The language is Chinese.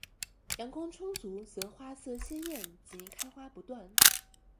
阳光充足则花色鲜艳及开花不断。